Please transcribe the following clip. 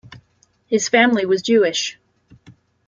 His family was Jewish.